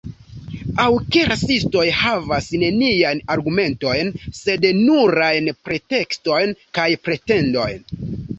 Aŭ ke rasistoj havas neniajn argumentojn, sed nurajn pretekstojn kaj pretendojn.